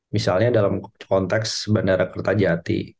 misalnya dalam konteks bandara kertajati